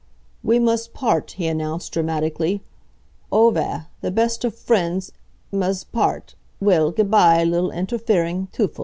"We mus' part," he announced, dramatically. "O, weh! The bes' of frien's m'z part. Well, g'by, li'l interfering Teufel.